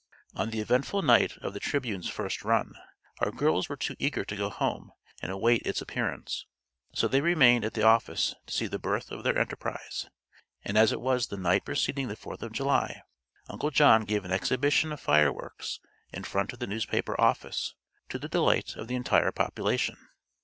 On the eventful night of the Tribune's "first run" our girls were too eager to go home and await its appearance, so they remained at the office to see the birth of their enterprise, and as it was the night preceding the Fourth of July Uncle John gave an exhibition of fireworks in front of the newspaper office, to the delight of the entire population.